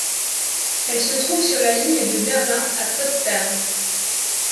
Elle se trouve sur la Ligne de Berlin à Potsdam.